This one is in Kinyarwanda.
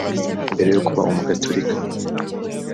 Mbere yo kuba Umugatulika